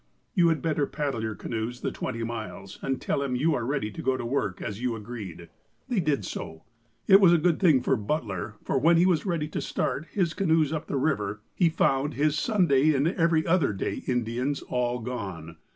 You had better paddle your canoes the twenty miles, and tell him you are ready to go to work, as you agreed." They did so. It was a good thing for Butler, for when he was ready to start his canoes up the river, he found his "Sunday and every other day " Indians all gone.